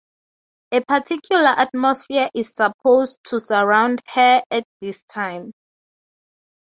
A particular atmosphere is supposed to surround her at this time.